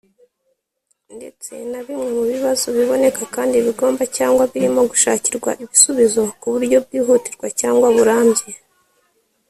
ndetse na bimwe mu bibazo biboneka kandi bigomba cyangwa birimo gushakirwa ibisubizo ku buryo bwihutirwa cyangwa burambye